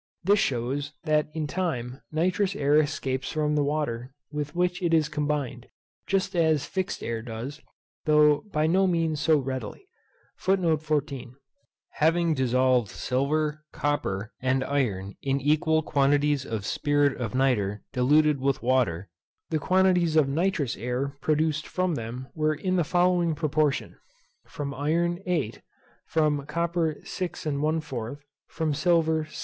This shews that in time nitrous air escapes from the water with which it is combined, just as fixed air does, though by no means so readily. Having dissolved silver, copper, and iron in equal quantities of spirit of nitre diluted with water, the quantities of nitrous air produced from them were in the following proportion; from iron 8, from copper 6 1/4, from silver 6.